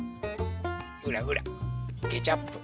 ほらほらケチャップ。